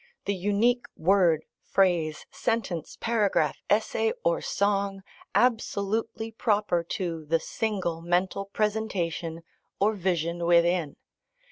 the unique word, phrase, sentence, paragraph, essay, or song, absolutely proper to the single mental presentation or vision within.